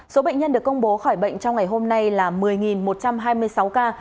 số bệnh nhân được công bố khỏi bệnh trong ngày hôm nay là một mươi một trăm hai mươi sáu ca